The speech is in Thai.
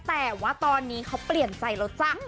แต่ว่าตอนนี้เขาเปลี่ยนใจแล้วจ้ะ